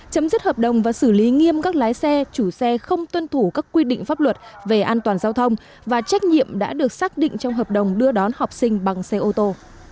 chấm dứt hợp đồng và xử lý nghiêm các lái xe chủ xe không tuân thủ các quy định pháp luật về an toàn giao thông và trách nhiệm đã được xác định trong hợp đồng đưa đón học sinh bằng xe ô tô